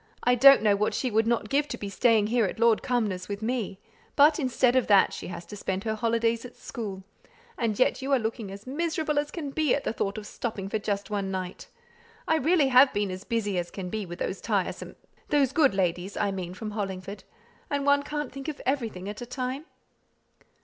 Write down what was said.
I don't know what she would not give to be staying here at Lord Cumnor's with me; but, instead of that, she has to spend her holidays at school; and yet you are looking as miserable as can be at the thought of stopping for just one night. I really have been as busy as can be with those tiresome those good ladies, I mean, from Hollingford and one can't think of everything at a time."